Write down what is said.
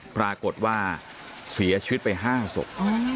ปรากฏว่าเสียชีวิตไป๕ศพ